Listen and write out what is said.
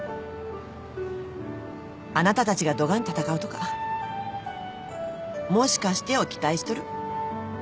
あなたたちがどがん戦うとか「もしかして」を期待しとる。